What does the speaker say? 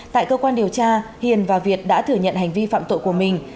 tại cơ quan điều tra hiền và việt đã thừa nhận hành vi phạm tội của mình